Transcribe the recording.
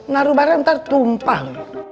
naru bara ntar tumpah